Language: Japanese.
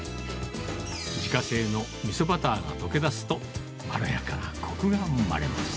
自家製のみそバターが溶けだすと、まろやかなこくが生まれます。